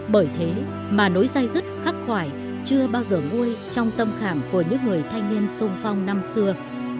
bởi thế mà nỗi say rứt khắc khoải chưa bao giờ nguôi trong tâm khảm của những người thanh niên sung phong năm xưa